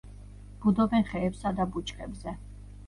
ბუდობენ ხეებსა და ბუჩქებზე.